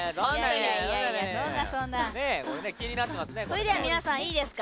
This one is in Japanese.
それでは皆さんいいですか？